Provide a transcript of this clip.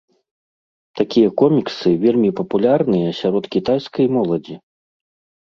Такія коміксы вельмі папулярныя сярод кітайскай моладзі.